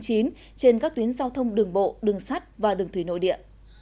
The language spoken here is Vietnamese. trên các tuyến giao thông đường bộ đường sắt và đường thủy nội địa